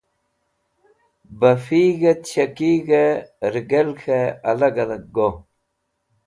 Bafig̃ht shakig̃hẽ rigẽl k̃hẽ alag alag go.